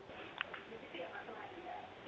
ini dianggap lain ya